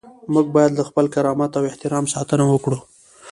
موږ باید له خپل کرامت او احترام ساتنه وکړو.